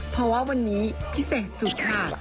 เพราะว่าวันนี้พิเศษสุดค่ะ